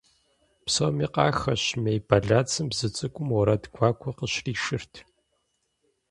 Псоми къахэщ мей бэлацэм бзу цӀыкӀум уэрэд гуакӀуэ къыщришырт.